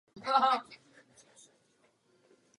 Byl vyvinut z letounu Avro Lancaster.